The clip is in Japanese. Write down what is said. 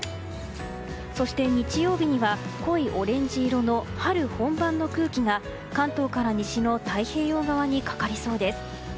そして日曜日には濃いオレンジ色の春本番の空気が、関東から西の太平洋側にかかりそうです。